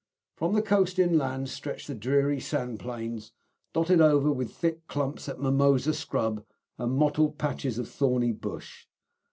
From the coast inland stretched dreary sand plains, dotted over with thick clumps at mimosa scrub and mottled patches of thorny bush.